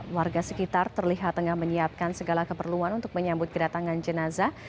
warga sekitar terlihat tengah menyiapkan segala keperluan untuk menyambut kedatangan jenazah